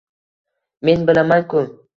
men bilaman-ku